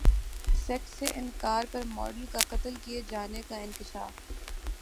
sex سے انکار پر ماڈل کا قتل کیے جانے کا انکشاف